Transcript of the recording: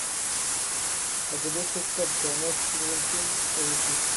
A beleza esperta en nós prevención e desexo.